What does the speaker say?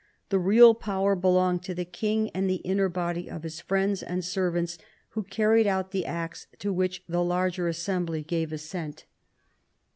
The real power belonged to the king and the inner body of his friends and servants, who carried out the acts to which the larger assembly gave assent.